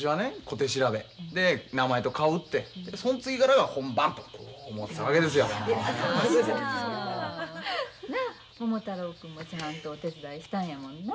小手調べで名前と顔売ってその次からが本番とこう思ってたわけですよ。なあ桃太郎君もちゃんとお手伝いしたんやもんな。